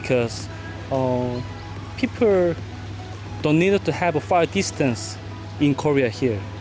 karena orang tidak perlu jauh jauh ke korea bukan dengan pesawat terbang ke wilayah italia